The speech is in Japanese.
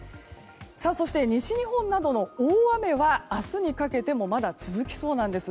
そして西日本などの大雨は明日にかけてもまだ続きそうなんです。